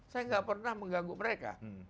saya nggak pernah mengganggu mereka